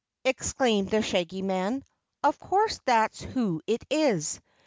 exclaimed the Shaggy Man. "Of course that's who it is.